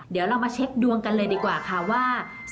เดี๋ยวเรามาเช็คดวงกันเลยดีกว่าค่ะว่า